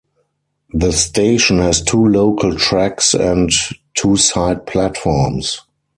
The station has two local tracks and two side platforms.